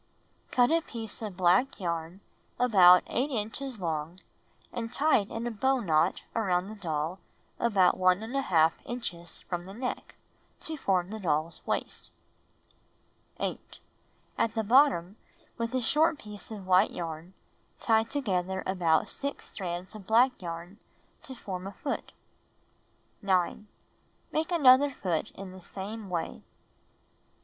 Cut a piece of black yarn about 8 inches long and tie it in a bow knot around the doll about 1| inches from the neck, to form the doll's waist. 8. At the bottom, with a short piece of white yarn, tie together about 6 strands of black yarn, to form a foot. 9. Make another foot in the same way. 10.